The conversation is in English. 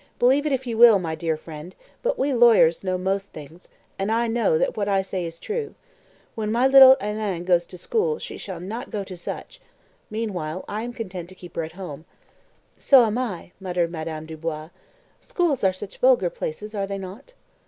"Believe it if you will, my dear friend, but we lawyers know most things, and I know that what I say is true. When my little Hélène goes to school she shall not go to such. Meanwhile, I am content to keep her at home." "So am I," murmured Madame Dubois. "Schools are such vulgar places, are they not?"